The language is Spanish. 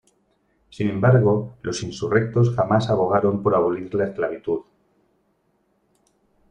Sin embargo, los insurrectos jamás abogaron por abolir la esclavitud.